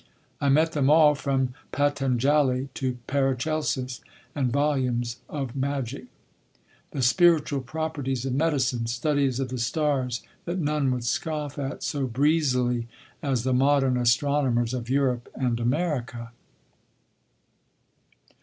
I met them all from Patanjali to Paracelsus and volumes of magic, the spiritual properties of medicine, studies of the stars that none would scoff at so breezily as the modern astronomers of Europe and America.